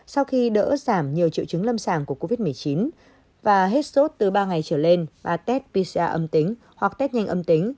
sau khi đỡ giảm nhiều triệu chứng lâm sàng của covid một mươi chín và hết sốt từ ba ngày trở lên và test pisia âm tính hoặc test nhanh âm tính